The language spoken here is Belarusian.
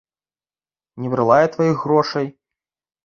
Не брала я тваіх грошай!